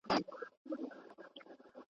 په پاک کور کې ملاییکې راځي.